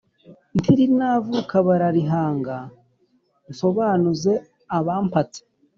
Ntirinavuka bararihanga. Nsobanuze abampatse